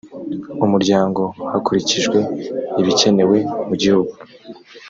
umuryango hakurikijwe ibikenewe mu gihugu